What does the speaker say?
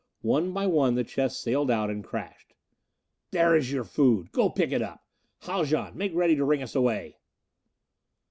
One by one the chests sailed out and crashed. "There is your food go pick it up! Haljan, make ready to ring us away!"